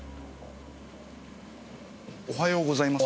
おはようございます。